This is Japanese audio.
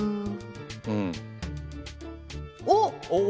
うん。おっ！